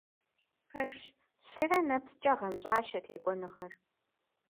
Пэжщ, лъырэ нэпскӀэ гъэнщӀащ а текӀуэныгъэр.